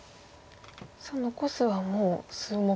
残すはもう数目の。